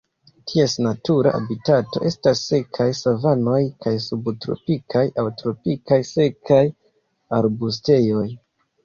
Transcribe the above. Ties natura habitato estas sekaj savanoj kaj subtropikaj aŭ tropikaj sekaj arbustejoj.